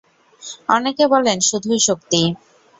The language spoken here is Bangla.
অনেকে বলেন শুধুই শক্তি।